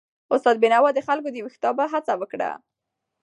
استاد بینوا د خلکو د ویښتابه هڅه وکړه.